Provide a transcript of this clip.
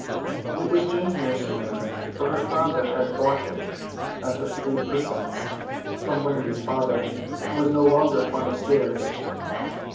It was Jane's nursery now, for her father had bought it at the three per cents from Wendy's father, who was no longer fond of stairs.